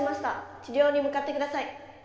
治療に向かって下さい」。